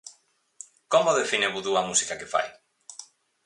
Como define Vudú a música que fai?